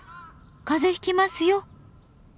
風邪ひきますよ！